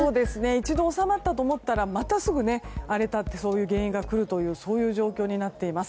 一度収まったと思ったらまた、すぐ荒れる原因が来るという状況になっています。